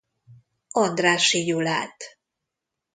Andrássy Gyulát.